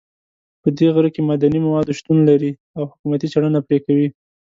په دې غره کې معدني مواد شتون لري او حکومت څېړنه پرې کوي